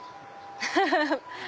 フフフフ！